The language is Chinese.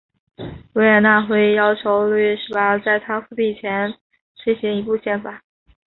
维也纳会议要求路易十八在他复辟前推行一部宪法。